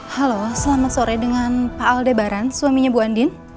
halo selamat sore dengan pak aldebaran suaminya bu andin